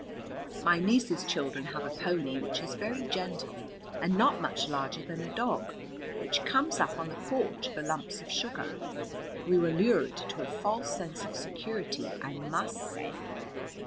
My niece's children have a pony which is very gentle and not much larger than a dog, which comes up on the porch for lumps of sugar. We were lured to a false sense of security, I must say.